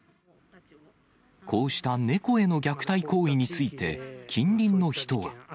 こうした猫への虐待行為について、近隣の人は。